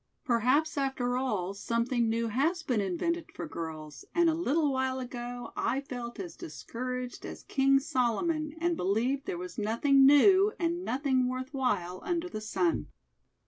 Perhaps, after all, something new has been invented for girls, and a little while ago I felt as discouraged as King Solomon and believed there was nothing new and nothing worth while under the sun."